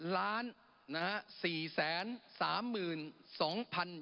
๒๔๒ล้านนะฮะ